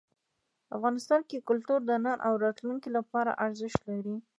افغانستان کې کلتور د نن او راتلونکي لپاره ارزښت لري.